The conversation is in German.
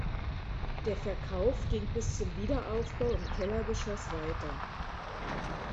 Der Verkauf ging bis zum Wiederaufbau im Kellergeschoss weiter.